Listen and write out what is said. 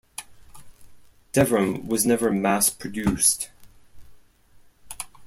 Devrim was never mass-produced.